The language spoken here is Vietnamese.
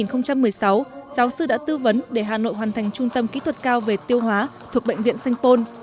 năm hai nghìn một mươi sáu giáo sư đã tư vấn để hà nội hoàn thành trung tâm kỹ thuật cao về tiêu hóa thuộc bệnh viện sanh pôn